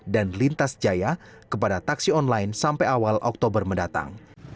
dan lintas jaya kepada taksi online sampai awal oktober mendatang